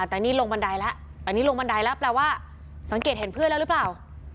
อันนี้ลงบันไดแล้วแปลว่าสังเกตเห็นเพื่อนแล้วหรือเปล่า